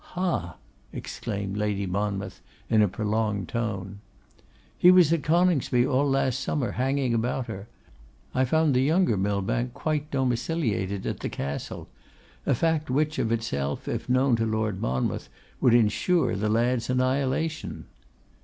'Hah!' exclaimed Lady Monmouth, in a prolonged tone. 'He was at Coningsby all last summer, hanging about her. I found the younger Millbank quite domiciliated at the Castle; a fact which, of itself, if known to Lord Monmouth, would ensure the lad's annihilation.